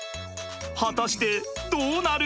果たしてどうなる！？